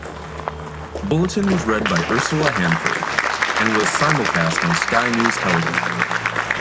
The bulletin was read by Ursula Hansford, and was simulcast on Sky News television.